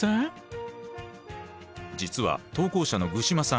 実は投稿者の具嶋さん